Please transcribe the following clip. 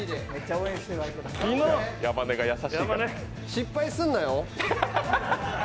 失敗すんなよ。